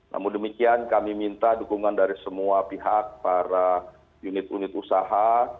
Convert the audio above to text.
namun demikian kami minta dukungan dari semua pihak para unit unit usaha